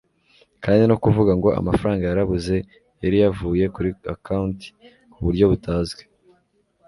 kandi no kuvuga ngo amafaranga yarabuze yari yavuye kuri account kuburyo butazwi